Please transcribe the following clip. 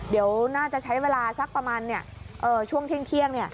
เดี๋ยวน่าจะใช้เวลาสักประมาณช่วงเที่ยง